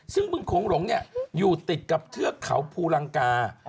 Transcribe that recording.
ซึ่งบึงโขงหลงอยู่ติดกับเทือกเขาภูลังกา